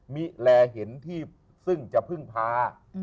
มิแลเห็นที่ซึ่งจะพึ่งพา